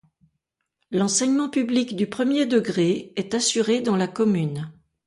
L'enseignement public du premier degré est assuré dans la commune.